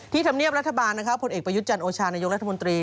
ที่ทำเนียบรัฐบาลผลเอกประยุทธ์จันทร์โอชานายกรรมนาธิบาลมนตรี